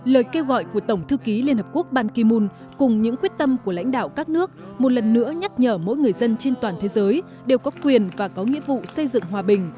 lời kêu gọi của tổng thư ký liên hợp quốc bankimun cùng những quyết tâm của lãnh đạo các nước một lần nữa nhắc nhở mỗi người dân trên toàn thế giới đều có quyền và có nghĩa vụ xây dựng hòa bình